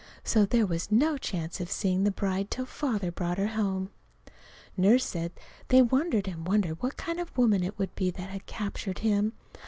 So there was no chance of seeing the bride till Father brought her home. Nurse said they wondered and wondered what kind of a woman it could be that had captured him.